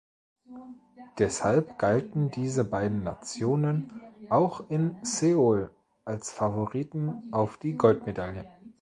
Deshalb galten diese beiden Nationen auch in Seoul als Favoriten auf die Goldmedaille.